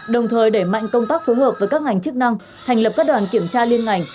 đồng thời đẩy mạnh công tác phối hợp với các ngành chức năng thành lập các đoàn kiểm tra liên ngành